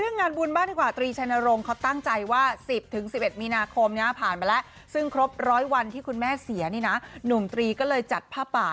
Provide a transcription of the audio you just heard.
นุ่มตรีก็เลยจัดภาพป่าที่หลังดับยอมเจ้าของเขา